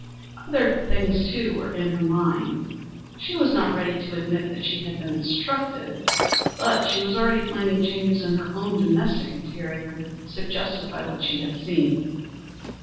Other things, too, were in her mind. She was not ready to admit that she had been instructed, but she was already planning changes in her own domestic interior, suggested by what she had seen.